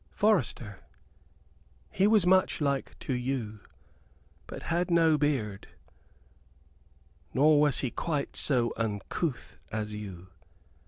"Forester, he was much like to you; but had no beard, nor was he quite so uncouth as you.